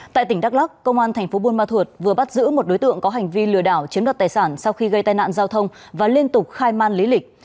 tại tỉnh đắk lắc công an thành phố buôn ma thuột vừa bắt giữ một đối tượng có hành vi lừa đảo chiếm đoạt tài sản sau khi gây tai nạn giao thông và liên tục khai man lý lịch